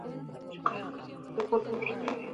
د شکایاتو ته د رسیدو بورد هم شتون لري.